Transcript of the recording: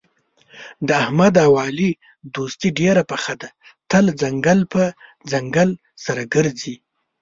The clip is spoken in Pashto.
د احمد او علي دوستي ډېره پخه ده، تل څنګل په څنګل سره ګرځي.